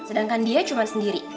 sedangkan dia cuma sendiri